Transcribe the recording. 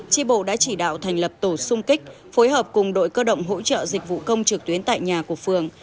tri bộ đã chỉ đạo thành lập tổ sung kích phối hợp cùng đội cơ động hỗ trợ dịch vụ công trực tuyến tại nhà của phường